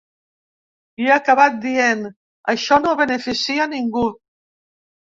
I ha acabat dient: Això no beneficia ningú.